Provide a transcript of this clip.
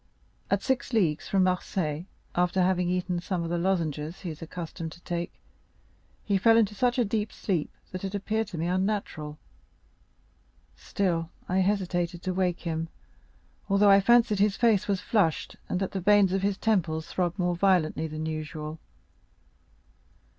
At six leagues from Marseilles, after having eaten some of the lozenges he is accustomed to take, he fell into such a deep sleep, that it appeared to me unnatural; still I hesitated to wake him, although I fancied that his face was flushed, and that the veins of his temples throbbed more violently than usual.